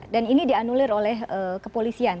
dan ini dianulir oleh kepolisian